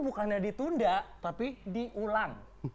bukannya ditunda tapi diulang